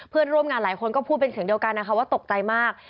เพื่อนร่วมงานหลายคนก็พูดเป็นเสียงเดียวกันนะคะว่าตกใจมาก